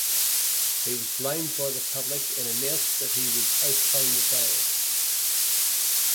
He was blamed by the public and announced that he would postpone the sale.